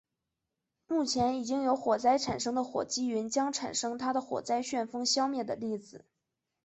目前已经有火灾产生的火积云将产生它的火灾旋风消灭的例子。